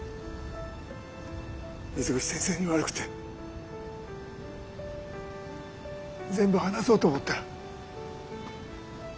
水口先生に悪くて全部話そうと思ったら。